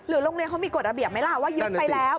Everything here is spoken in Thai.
โรงเรียนเขามีกฎระเบียบไหมล่ะว่ายึดไปแล้ว